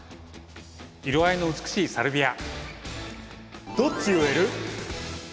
色合いの美しいサルビア！